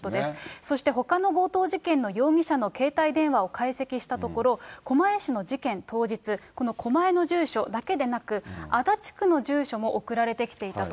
そしてほかの強盗事件の容疑者の携帯電話を解析したところ、狛江市の事件当日、この狛江の住所だけでなく、足立区の住所も送られてきていたと。